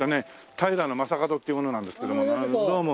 平将門っていう者なんですけどもどうも。